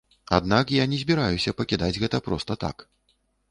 Аднак я не збіраюся пакідаць гэта проста так.